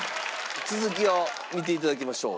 続きを見て頂きましょう。